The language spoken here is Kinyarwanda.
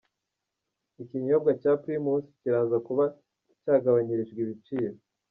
Ikinyobwa cya Primus kiraza kuba cyagabanyirijwe ibiciro.